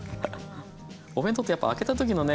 お弁当ってやっぱ開けた時のね